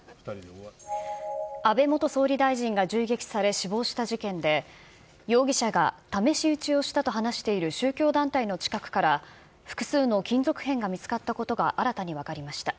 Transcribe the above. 安倍元総理大臣が銃撃され死亡した事件で、容疑者が試し撃ちをしたと話している宗教団体の近くから、複数の金属片が見つかったことが新たに分かりました。